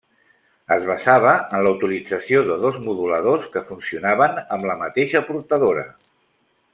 Es basava en la utilització de dos moduladors, que funcionaven amb la mateixa portadora.